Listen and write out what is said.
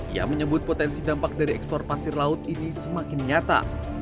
ia menyebut potensi dampak dari ekspor pasir laut ini semakin nyata